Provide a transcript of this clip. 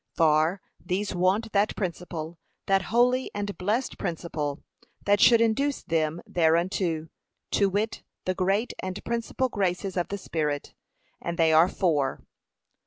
For, These want that principle, that holy and blessed principle, that should induce them thereunto; to wit, the great and principal graces of the Spirit, and they are four.